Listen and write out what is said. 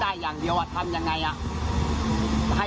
ให้เรารอดซึ่งมา